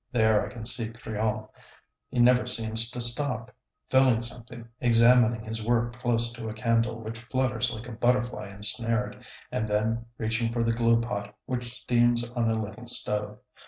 There I can see Crillon, he never seems to stop, filing something, examining his work close to a candle which flutters like a butterfly ensnared, and then, reaching for the glue pot which steams on a little stove.